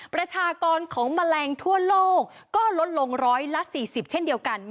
ประชากรของแมลงทั่วโลกก็ลดลงร้อยละ๔๐เช่นเดียวกัน